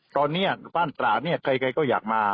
ตอนนี้บ้านตราเนี่ยใครก็อยากมา